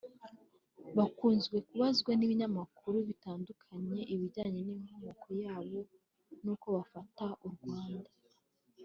bakunze kubazwa n’ibinyamakuru bitandukanye ibijyanye n’inkomoko yabo n’uko bafata u Rwanda